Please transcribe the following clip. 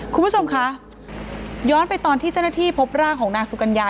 คุณผู้ชมคะย้อนไปตอนที่เจ้าหน้าที่พบร่างของนางสุกัญญา